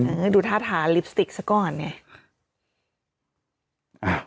อือดูท่าทาลิปสติกสักก่อนไง